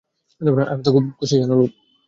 আমি খুশি যে তুমি জানো, বাবা।